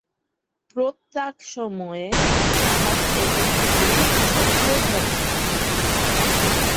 প্রত্যাক-সময়ে-জাহাজ একেকটি স্বকীয় "ঘটনা"।